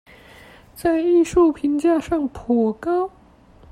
在藝術評價上頗高